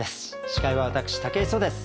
司会は私武井壮です。